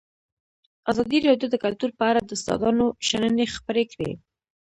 ازادي راډیو د کلتور په اړه د استادانو شننې خپرې کړي.